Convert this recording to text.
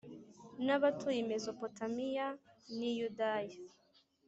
n abatuye i Mezopotamiya n i Yudaya